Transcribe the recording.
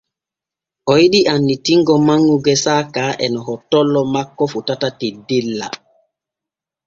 O yiɗi annitingo manŋu gesa ka e no hottollo makko fotata teddella.